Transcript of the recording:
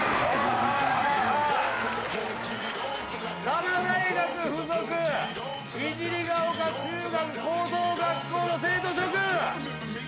多摩大学附属聖ヶ丘中学高等学校の生徒諸君。